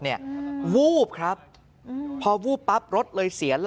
มันไหม้ยังไง